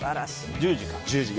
１０時から。